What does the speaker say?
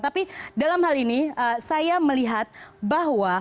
tapi dalam hal ini saya melihat bahwa